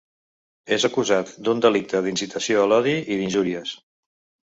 És acusat d’un delicte d’incitació a l’odi i d’injúries.